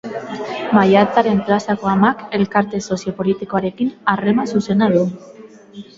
Maiatzaren Plazako Amak elkarte sozio-politikoarekin harreman zuzena du.